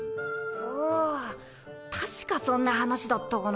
ああ確かそんな話だったかな？